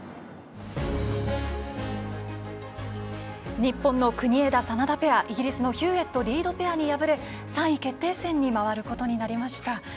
日本の国枝、眞田ペアイギリスのヒューウェットリードペアに敗れ３位決定戦に回ることになりました。